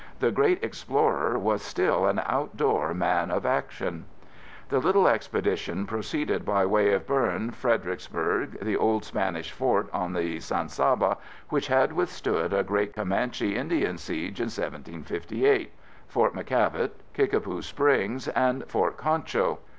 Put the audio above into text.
The great explorer was still an outdoor man of action. The little expedition proceeded by way of Boerne, Fredericksburg, the old Spanish Fort on the San Saba which had withstood a great Comanche Indian siege in 1758, Fort McKavett, Kickapoo Springs and Fort Concho.